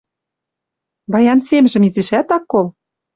Баян семжӹм изишӓт ак кол?